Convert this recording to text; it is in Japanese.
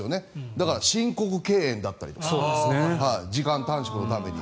だから、申告敬遠だったりとか時間短縮のために。